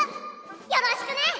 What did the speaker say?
よろしくね。